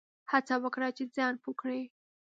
هڅه وکړه چي ځان پوه کړې !